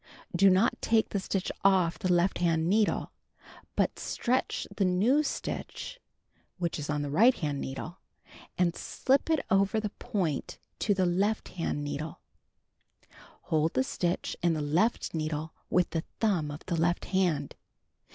Do not take the stitch off the left hand needle, but stn^tch the new stitch (which is on the right hand needle) and slip it over the point of the left hand needle. (See picture on page 261.) Hold tlu! stitch on th(; left needier with the thumb of the left hand.